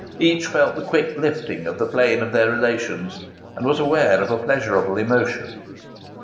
Each felt the quick lifting of the plane of their relations, and was aware of a pleasurable emotion.